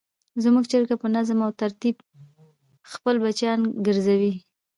زموږ چرګه په نظم او ترتیب خپل بچیان ګرځوي.